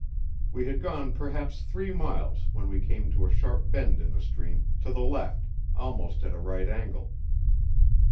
We had gone perhaps three miles when we came to a sharp bend in the stream, to the left, almost at a right angle.